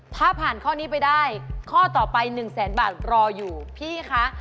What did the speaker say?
ถ้าผ่านข้อนี้ไปได้ข้อต่อไป๑แสนบาทรออยู่พี่คะ